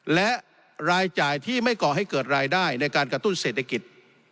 และรายจ่ายที่ไม่ก่อให้เกิดรายได้ในการกระตุ้นเศรษฐกิจ